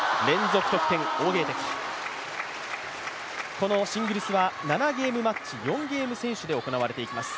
このシングルスは７ゲームマッチ、４ゲーム先取で行われていきます。